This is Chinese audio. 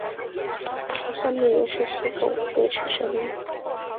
靠生命维持系统维持生命。